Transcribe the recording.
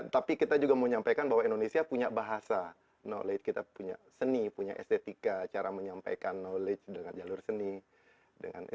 tapi kita juga mau menyampaikan bahwa indonesia punya bahasa knowledge kita punya seni punya estetika cara menyampaikan knowledge dengan jalur seni